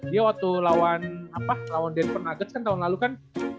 dia waktu lawan denver nuggets kan tahun lalu kan